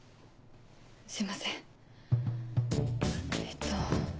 すいませんえっと。